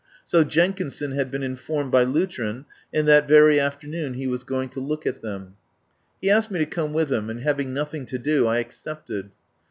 So Jenkinson had been informed by Lutrin, and that very afternoon he was going to look at them. He asked me to come with him, and, having nothing to do, I accepted.